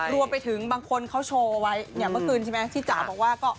รวมไปถึงบางคนเขาโชว์เอาไว้อย่างเมื่อคืนใช่ไหมที่จ๋าบอกว่าก็